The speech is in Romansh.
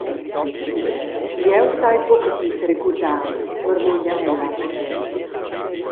«Jeu sai buca pli seregurdar», marmugna ella.